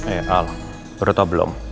eh al beritahu belum